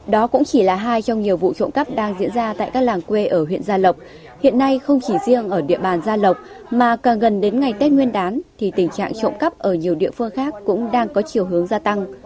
đó cũng chỉ là hai trong nhiều vụ trộm cắp đang diễn ra tại các làng quê ở huyện gia lộc hiện nay không chỉ riêng ở địa bàn gia lộc mà càng gần đến ngày tết nguyên đán thì tình trạng trộm cắp ở nhiều địa phương khác cũng đang có chiều hướng gia tăng